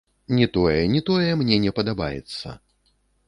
Ні тое, ні тое мне не падабаецца!